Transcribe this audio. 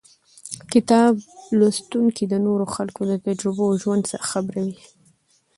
کتاب لوستونکی د نورو خلکو له تجربو او ژوند څخه خبروي.